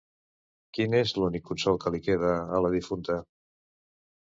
Quin és l'únic consol que li queda a la difunta?